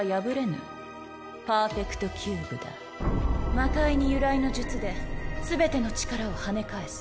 魔界に由来の術で全ての力をはね返す。